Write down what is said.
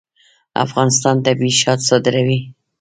افغانستان طبیعي شات صادروي